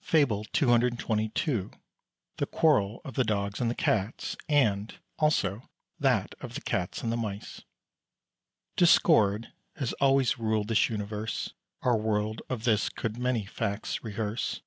FABLE CCXXII. THE QUARREL OF THE DOGS AND THE CATS; AND, ALSO, THAT OF THE CATS AND THE MICE. Discord has always ruled this universe; Our world of this could many facts rehearse.